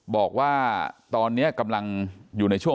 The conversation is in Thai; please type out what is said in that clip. บอกว่าตอนนี้กำลังอยู่ในช่วง